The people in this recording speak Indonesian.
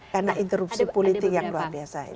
karena interupsi politik yang luar biasa ini